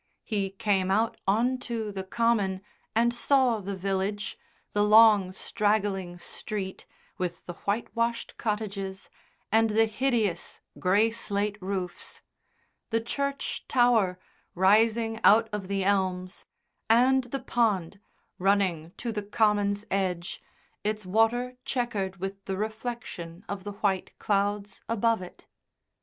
He came out on to the common and saw the village, the long straggling street with the white washed cottages and the hideous grey slate roofs; the church tower, rising out of the elms, and the pond, running to the common's edge, its water chequered with the reflection of the white clouds above it.